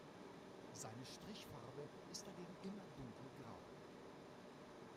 Seine Strichfarbe ist dagegen immer dunkelgrau.